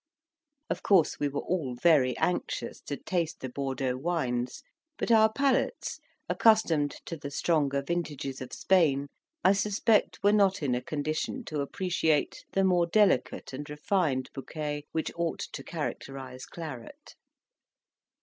Of course we were all very anxious to taste the Bordeaux wines; but our palates, accustomed to the stronger vintages of Spain, I suspect were not in a condition to appreciate the more delicate and refined bouquets which ought to characterize claret.